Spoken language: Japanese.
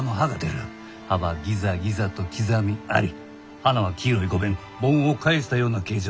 葉はギザギザと刻みあり花は黄色い５弁盆を返したような形状。